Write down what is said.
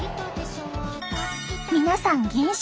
皆さん減少！